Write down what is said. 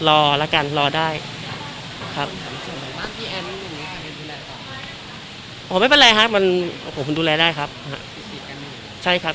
รอละกันรอได้ครับผมไม่เป็นไรค่ะมันผมดูแลได้ครับใช่ครับ